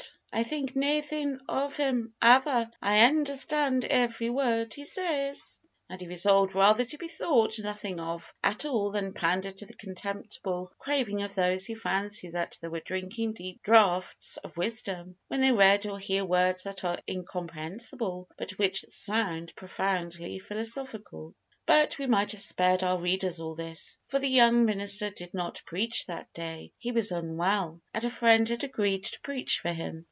I think naethin' o' him ava'; I understand every word he says," and he resolved rather to be thought nothing of at all than pander to the contemptible craving of those who fancy that they are drinking deep draughts of wisdom when they read or hear words that are incomprehensible, but which sound profoundly philosophical. But we might have spared our readers all this, for the young minister did not preach that day. He was unwell, and a friend had agreed to preach for him.